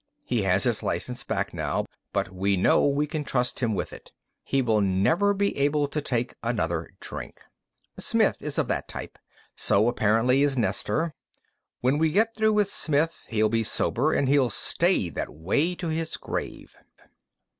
"He has his license back now, but we know we can trust him with it. He will never be able to take another drink. "Smith is of that type. So, apparently, is Nestor. When we get through with Smith, he'll be sober, and he'll stay that way to his grave."